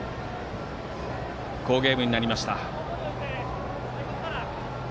好ゲームになりました。